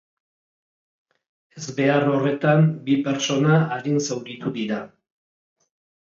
Ezbehar horretan, bi pertsona arin zauritu dira.